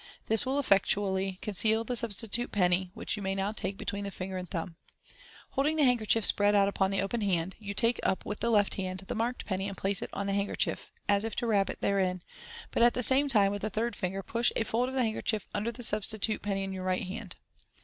This will effectually conceal the substitute penny, which you may now take between the finger and thumb. Holding the handkerchief spread out upon the open hand, you take up with the left hand the marked penny and place it on the handkerchief, as if to wrap it therein, but at the same time with the third finger push a fold of the handkerchief under the substitute penny in your right hand.